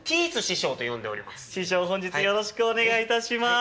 師匠本日よろしくお願いいたします。